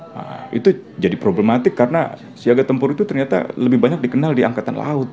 nah itu jadi problematik karena siaga tempur itu ternyata lebih banyak dikenal di angkatan laut